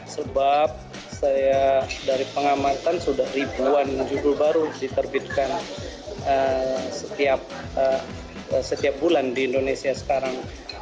sebab saya dari pengamatan sudah ribuan judul baru diterbitkan setiap bulan di indonesia sekarang